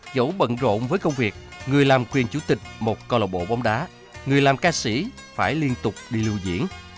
dẫu bận rộn với công việc người làm quyền chủ tịch một club bóng đá người làm ca sĩ phải liên tục đi lưu diễn